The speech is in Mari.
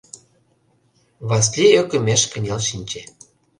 Васлий ӧкымеш кынел шинче.